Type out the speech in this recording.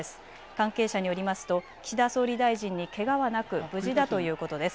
関係者によりますと岸田総理大臣にけがはなく無事だということです。